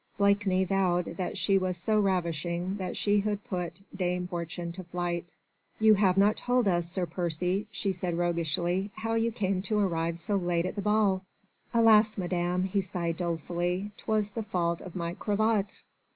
Blakeney vowed that she was so ravishing that she had put Dame Fortune to flight. "You have not yet told us, Sir Percy," she said roguishly, "how you came to arrive so late at the ball." "Alas, madam," he sighed dolefully, "'twas the fault of my cravat."